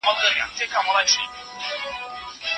د ډاکټر پلټنه تر عامو اټکلونو کره ده.